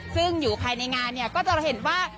ซึ่งอยู่ภายในงานเนี่ยก็จะเห็นว่า